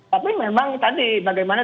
tapi memang tadi bagaimana